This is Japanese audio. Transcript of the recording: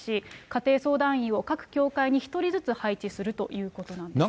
家庭相談員を各教会に１人ずつ配置するということなんです。